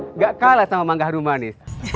engak kalah sama mangga harumani